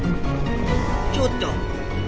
ちょっと！